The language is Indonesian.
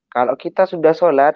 kalau kita sudah sholat